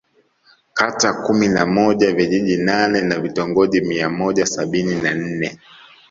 Kata kumi na moja vijiji nane na vitongoji mia moja sabini na nne